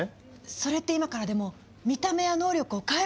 それって今からでも見た目や能力を変えられるってこと？